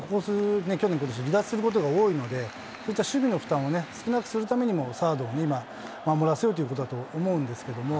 離脱することが多いので、守備の負担を少なくするためにもサードを守らせようということだと思うんです。